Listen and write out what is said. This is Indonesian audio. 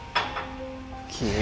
dia pasti seneng